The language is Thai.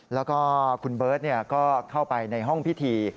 แล้วก็คุณเบิร์ตก็เข้าไปในห้องพิธี